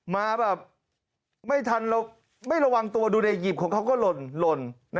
มาแบบไม่ทันไม่ระวังตัวดูดิหยิบของเขาก็หล่น